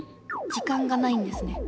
時間がないんですね。